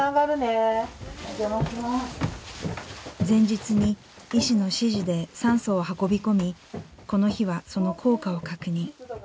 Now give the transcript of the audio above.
前日に医師の指示で酸素を運び込みこの日はその効果を確認。